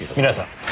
皆さん。